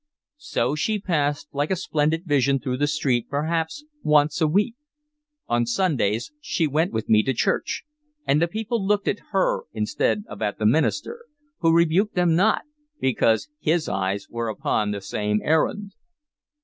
So she passed like a splendid vision through the street perhaps once a week. On Sundays she went with me to church, and the people looked at her instead of at the minister, who rebuked them not, because his eyes were upon the same errand.